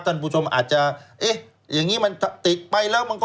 ท่านผู้ชมอาจจะเอ๊ะอย่างนี้มันติดไปแล้วมันก็